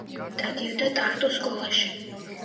დადიოდა ტარტუს სკოლაში.